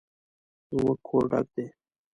زموږ کور ډک دی